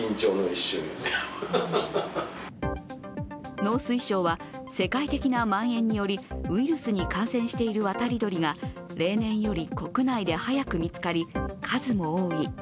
農水省は世界的なまん延によりウイルスに感染している渡り鳥が例年より国内で早く見つかり数も多い。